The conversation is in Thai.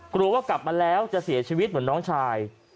กลัวว่ากลับมาแล้วจะเสียชีวิตเหมือนน้องชาย